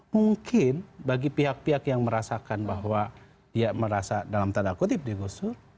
mungkin bagi pihak pihak yang merasakan bahwa dia merasa dalam tanda kutip digusur